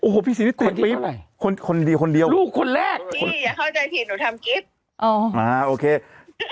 พื้งที่ด้วย